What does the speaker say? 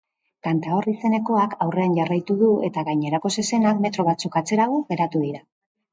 Cantaor izenekoak aurrean jarraitu du eta gainerako zezenak metro batzuk atzerago geratu dira.